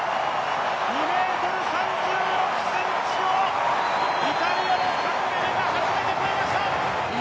２ｍ３６ｃｍをイタリアのタンベリが初めて越えました！